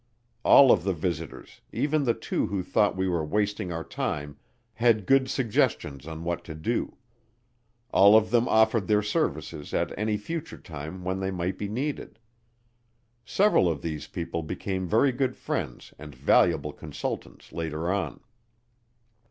All of the visitors, even the two who thought we were wasting our time, had good suggestions on what to do. All of them offered their services at any future time when they might be needed. Several of these people became very good friends and valuable consultants later on.